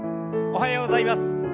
おはようございます。